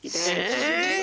え？